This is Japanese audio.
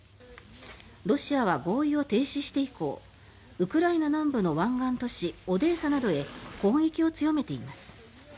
ロシアは合意を停止して以降ウクライナ南部の湾岸都市オデーサなどへ攻撃を強めています。